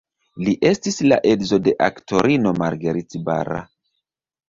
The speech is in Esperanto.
Li estis la edzo de aktorino Margit Bara.